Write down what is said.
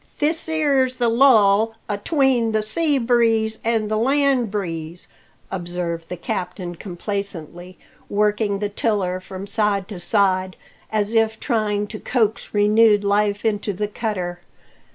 "This 'ere's the lull at ween the sea breeze an' the land breeze," observed the captain complacently, working the tiller from side to side as if trying to coax renewed life into the cutter.